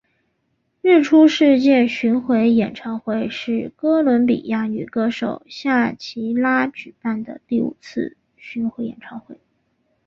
日出世界巡回演唱会是哥伦比亚女歌手夏奇拉举办的第五次巡回演唱会。